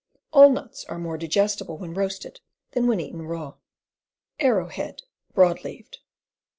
All nuts are more digestible when roasted than when eaten raw. Abrowhead, Broad leaved.